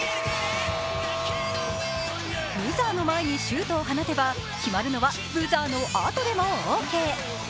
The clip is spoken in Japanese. ブザーの前にシュートを放てば決まるのはブザーの後でもオッケー。